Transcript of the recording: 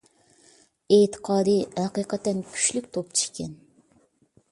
ئېتىقادى ھەقىقەتەن كۈچلۈك توپچى ئىكەن